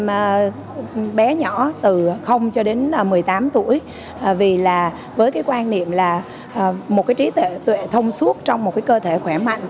em bé nhỏ từ cho đến một mươi tám tuổi vì là với cái quan niệm là một cái trí tuệ thông suốt trong một cái cơ thể khỏe mạnh